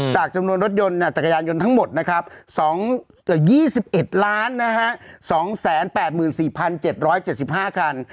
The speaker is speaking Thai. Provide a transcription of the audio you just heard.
จำนวนรถยนต์จักรยานยนต์ทั้งหมดนะครับ๒๑๒๘๔๗๗๕คัน